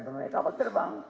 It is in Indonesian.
bisa menyiar kapal terbang